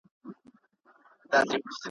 د تسپو دام یې په لاس کي دی ښکاریان دي `